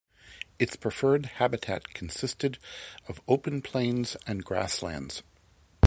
Its preferred habitat consisted of open plains and grasslands.